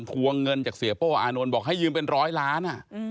วงเงินจากเสียโป้อานนท์บอกให้ยืมเป็นร้อยล้าน